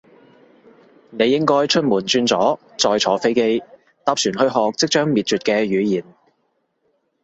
你應該出門轉左，再坐飛機，搭船去學即將滅絕嘅語言